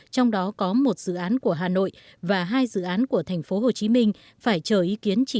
trong đó có một dự án của hà nội và hai dự án của tp hcm phải chờ ý kiến chỉ đạo của bộ chính trị